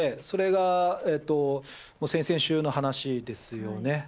それが先々週の話ですよね。